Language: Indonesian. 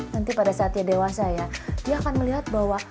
nanti pada saat dia dewasa ya dia akan melihat bahwa